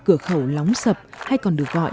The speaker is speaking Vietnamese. cửa khẩu lóng sập hay còn được gọi